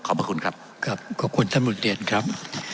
ขอบคุณครับครับขอบคุณท่านบุญเรียนครับ